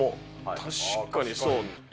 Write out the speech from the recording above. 確かにそう。